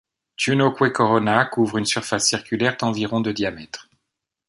Tunehakwe Corona couvre une surface circulaire d'environ de diamètre.